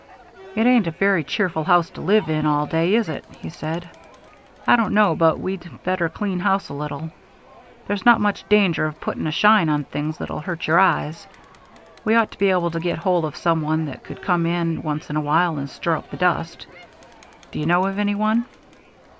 "It ain't a very cheerful house to live in all day, is it?" he said. "I don't know but what we'd better clean house a little. There's not much danger of putting a shine on things that'll hurt your eyes. We ought to be able to get hold of some one that could come in once in a while and stir up the dust. Do you know of any one?"